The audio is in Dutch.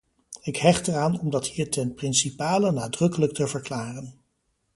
Ik hecht eraan om dat hier ten principale nadrukkelijk te verklaren.